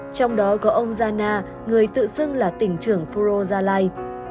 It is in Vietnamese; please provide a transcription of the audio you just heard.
trong đó có ông zana người tự sưng là tỉnh trưởng phú rô gia lai